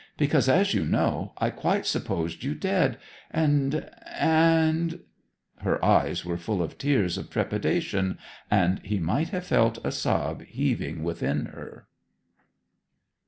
Because, as you know, I quite supposed you dead, and and ' Her eyes were full of tears of trepidation, and he might have felt a sob heaving within her.